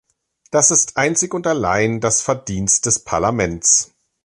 Das ist einzig und allein das Verdienst des Parlaments.